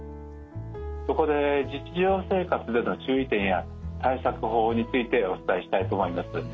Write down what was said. そこで日常生活での注意点や対策法についてお伝えしたいと思います。